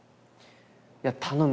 「いや頼む。